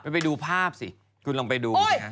ไปดูภาพสิคุณลองไปดูสิฮะ